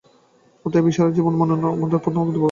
অতএব ঈশার জীবন মনন করা আমাদের প্রধান কর্তব্য।